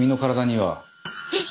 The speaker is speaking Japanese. えっ？